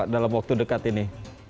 dalam waktu dekat ini